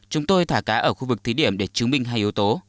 chúng tôi thả cá ở khu vực thí điểm để chứng minh hai yếu tố